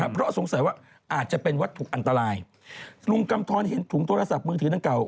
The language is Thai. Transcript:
เพราะสงสัยว่าอาจจะเป็นวัตถุอันตรายลุงกำทรเห็นถุงโทรศัพท์มือถือดังเก่า